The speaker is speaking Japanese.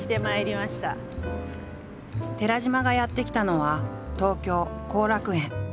寺島がやって来たのは東京後楽園。